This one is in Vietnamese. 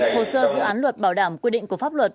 hồ sơ dự án luật bảo đảm quy định của pháp luật